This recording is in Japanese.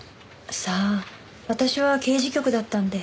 さあ私は刑事局だったんで。